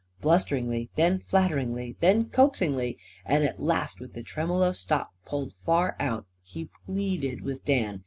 Blusteringly, then flatteringly, then coaxingly and at last with the tremolo stop pulled far out, he pleaded with Dan.